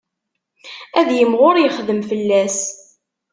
Ad yimɣur yexdem fell-as.